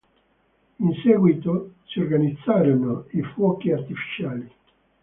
In seguito si organizzarono i fuochi artificiali.